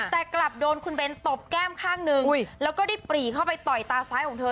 แต่กลับโดนคุณเบนตบแก้มข้างหนึ่งแล้วก็ได้ปรีเข้าไปต่อยตาซ้ายของเธอ